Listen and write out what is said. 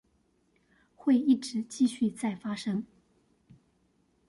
會一直繼續再發生